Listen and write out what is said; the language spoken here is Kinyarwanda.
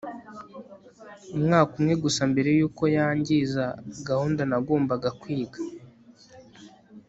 umwaka umwe gusa mbere yuko yangiza gahunda nagombaga kwiga